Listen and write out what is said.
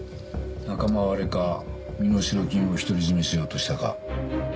仲間割れか身代金を独り占めしようとしたか。